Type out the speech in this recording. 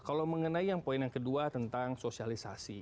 kalau mengenai yang poin yang kedua tentang sosialisasi